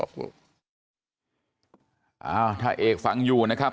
อ้าวถ้าเอกฟังอยู่นะครับ